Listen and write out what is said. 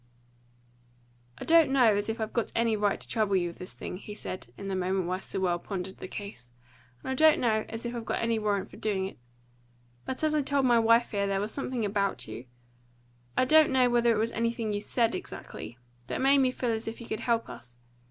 "I don't know as I've got any right to trouble you with this thing," he said, in the moment while Sewell sat pondering the case, "and I don't know as I've got any warrant for doing it. But, as I told my wife here, there was something about you I don't know whether it was anything you SAID exactly that made me feel as if you could help us.